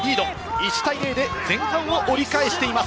１対０で前半を折り返しています。